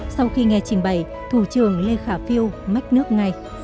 sau khi nghe trình bày thủ trưởng lê khả phiêu mách nước ngay